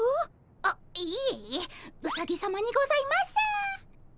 あっいえいえうさぎさまにございます！